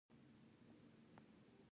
دوهم لیول د معیارونو پیروي کوي.